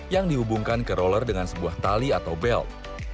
yang dihubungkan ke roller dengan sebuah tali atau belt